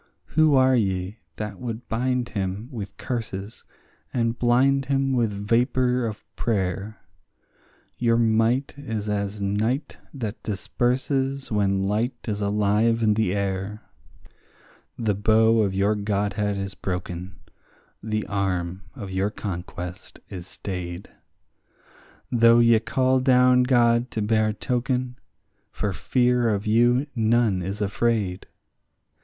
Who are ye that would bind him with curses and blind him with vapour of prayer? Your might is as night that disperses when light is alive in the air. The bow of your godhead is broken, the arm of your conquest is stayed; Though ye call down God to bear token, for fear of you none is afraid.